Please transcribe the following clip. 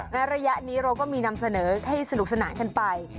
และระยะนี้เราก็มีนำเสนอให้สนุกสนานกันไป